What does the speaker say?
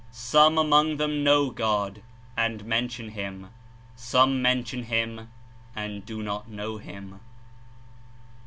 Some among them know God and mention Him; some mention Hirn and do not know Him."